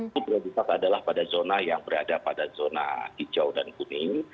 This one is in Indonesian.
itu prioritas adalah pada zona yang berada pada zona hijau dan kuning